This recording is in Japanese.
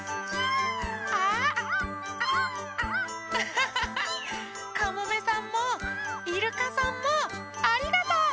ハハハハかもめさんもイルカさんもありがとう！